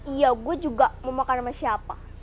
iya gue juga mau makan sama siapa